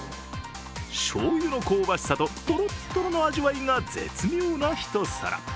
しょうゆの香ばしさととろっとろの味わいが絶妙な一皿。